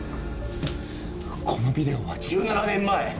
このビデオは１７年前！